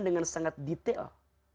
dengan sangat detail